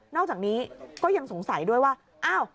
อกจากนี้ก็ยังสงสัยด้วยว่าอ้าว